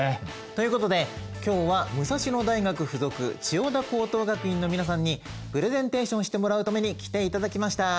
ということで今日は武蔵野大学附属千代田高等学院の皆さんにプレゼンテーションしてもらうために来ていただきました。